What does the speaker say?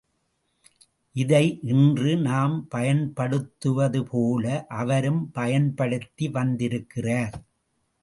இதை இன்று நாம் பயன்படுத்துவது போல அவரும் பயன்படுத்தி வந்திருக்கிறார்.